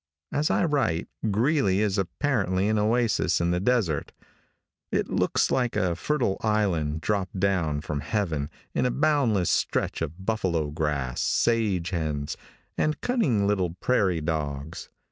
As I write, Greeley is apparently an oasis in the desert. It looks like a fertile island dropped down from heaven in a boundless stretch of buffalo grass, sage hens and cunning little prairie dogs.